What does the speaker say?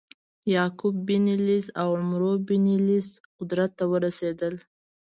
یعقوب بن لیث او عمرو لیث قدرت ته ورسېدل.